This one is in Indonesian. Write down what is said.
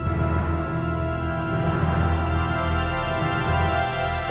kepada ayah anda